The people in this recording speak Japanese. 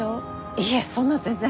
いえそんな全然。